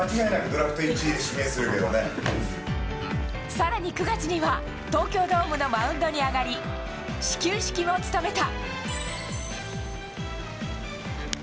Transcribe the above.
更に９月には東京ドームのマウンドに上がり始球式も務めた。